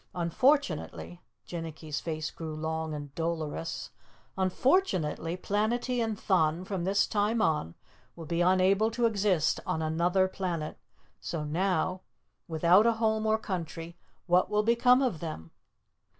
Unfortunately," Jinnicky's face grew long and dolorous, "unfortunately, Planetty and Thun, from this time on, will be unable to exist on Anuther Planet, so now, without a home or country, what will become of them?"